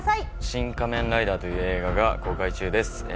『シン・仮面ライダー』という映画が公開中です。